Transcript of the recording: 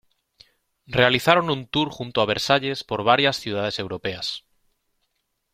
Realizaron un tour junto a Versailles por varias ciudades Europeas.